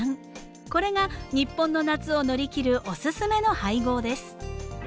これが日本の夏を乗り切るおすすめの配合です。